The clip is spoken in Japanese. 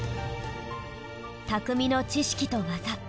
匠の知識と技。